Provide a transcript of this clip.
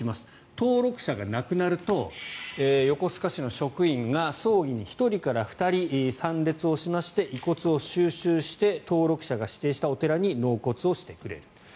登録者が亡くなると横須賀市の職員が葬儀に１人から２人参列して遺骨を収集して登録者が指定したお寺に納骨してくれる。